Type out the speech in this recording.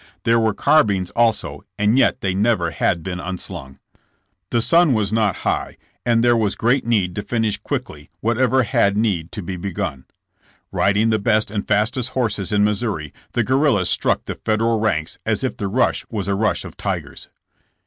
There were carbines also, and yet they never had been unslung. The sun was not high, and there was great need to finish quickly whatever had need to be begun. Riding the best and fastest horses in Missouri, the guerrillas struck the Federal ranks as if the rush was a rush of tigers.